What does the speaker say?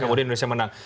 kemudian indonesia menang